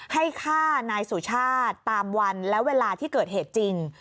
ให้ฆ่านายสุชาติตามวันและเวลาที่เกิดเหตุจริง